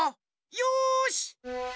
よし！